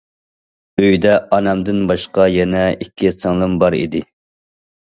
ئۆيدە ئانامدىن باشقا يەنە ئىككى سىڭلىم بار ئىدى.